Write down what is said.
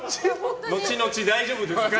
後々、大丈夫ですか？